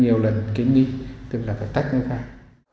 nhiều lần kiến đi tức là phải tách nơi khác